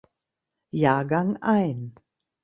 Jahrgang ein.